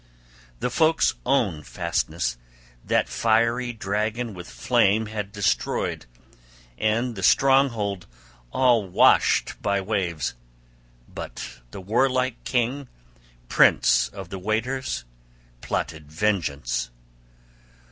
The folk's own fastness that fiery dragon with flame had destroyed, and the stronghold all washed by waves; but the warlike king, prince of the Weders, plotted vengeance.